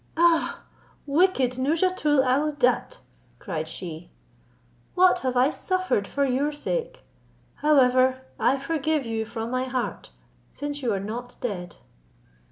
"Ah! wicked Nouzhatoul aouadat," cried she, "what have I suffered for your sake? However, I forgive you from my heart, since you are not dead."